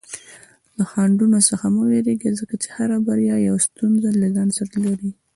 له خنډونو څخه مه ویریږه، ځکه هره بریا یوه ستونزه له ځان سره لري.